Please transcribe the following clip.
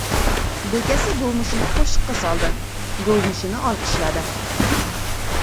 Bekasi govmishini qo‘shiqqa soldi, govmishini olqishladi.